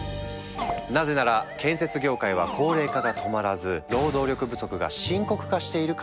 なぜなら建設業界は高齢化が止まらず労働力不足が深刻化しているからだ。